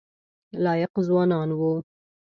لایق ځوانان وو.